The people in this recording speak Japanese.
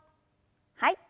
はい。